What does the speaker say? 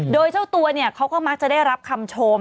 โดยเจ้าตัวเนี่ยเขาก็มักจะได้รับคำชม